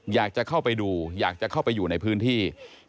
อยากจะเข้าไปดูอยากจะเข้าไปอยู่ในพื้นที่